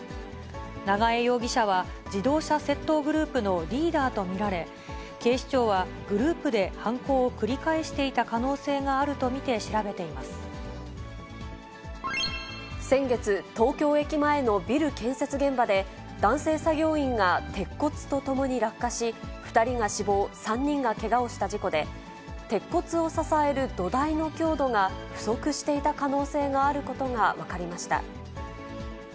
長江容疑者は自動車窃盗グループのリーダーと見られ、警視庁はグループで犯行を繰り返していた可能性があると見て調べ先月、東京駅前のビル建設現場で、男性作業員が鉄骨とともに落下し、２人が死亡、３人がけがをした事故で、鉄骨を支える土台の強度が不足していた可能性があることが分かりました。